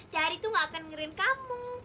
dari tuh nggak akan ngerin kamu